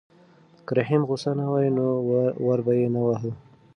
که رحیم غوسه نه وای نو ور به یې نه واهه.